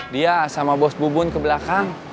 dia sama bos bubun ke belakang